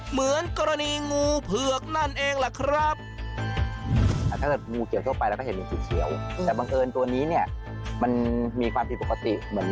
เหมือนกรณีงูเผือกนั่นเองล่ะครับ